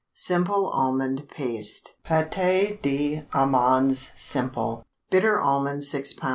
SIMPLE ALMOND PASTE (PÂTE D'AMANDES SIMPLE). Bitter almonds 6 lb.